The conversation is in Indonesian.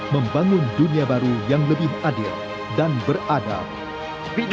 membangun dunia baru yang lebih adil dan beradab